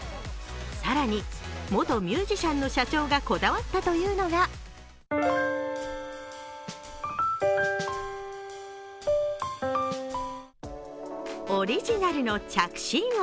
更に、元ミュージシャンの社長がこだわったというのがオリジナルの着信音